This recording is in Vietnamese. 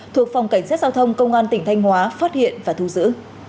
thuộc phòng cảnh sát giao thông công an tỉnh thanh hóa phát hiện và thu giữ